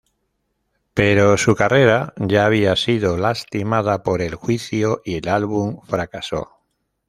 Pero su carrera ya había sido lastimada por el juicio, y el álbum fracasó.